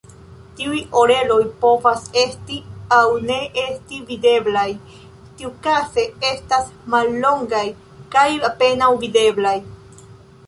Tiuj "oreloj" povas esti aŭ ne esti videblaj, tiukaze estas mallongaj kaj apenaŭ videblaj.